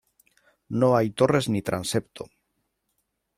No hay torres ni transepto.